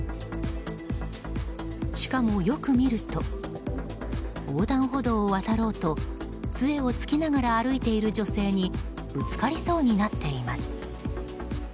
しかも、よく見ると横断歩道を渡ろうと杖を突きながら歩いている女性にぶつかりそうになっています。